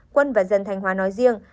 quân và dân thanh hóa nói riêng